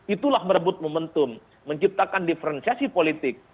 itulah merebut momentum menciptakan diferensiasi politik